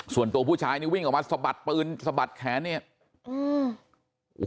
ส่วนตัวผู้ชายนี่วิ่งออกมาสะบัดปืนสะบัดแขนเนี่ยอืม